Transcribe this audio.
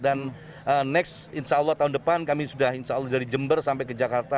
dan next insya allah tahun depan kami sudah insya allah dari jember sampai ke jakarta